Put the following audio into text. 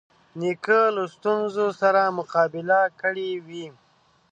نیکه له ستونزو سره مقابله کړې وي.